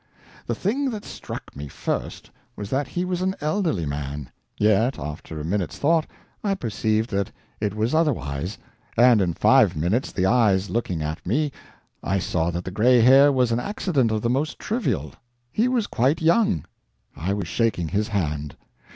The thing that struck me first was that he was an elderly man; yet, after a minute's thought, I perceived that it was otherwise, and in five minutes, the eyes looking at me, I saw that the grey hair was an accident of the most trivial. He was quite young. I was shaking his hand.